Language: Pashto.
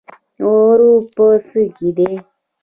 غرور په څه کې دی؟